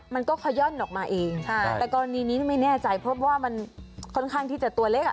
มันก็ขย่อนออกมาเองใช่แต่กรณีนี้ไม่แน่ใจเพราะว่ามันค่อนข้างที่จะตัวเล็กอ่ะ